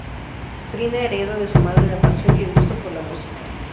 Trina hereda de su madre la pasión y el gusto por la música.